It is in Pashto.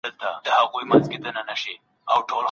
هغه کولای سي اوږده ډوډۍ ماڼۍ ته یوسي، که وړل یې اسانه وي.